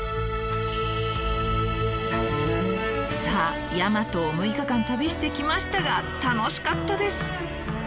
さあ「やまと」を６日間旅してきましたが楽しかったです！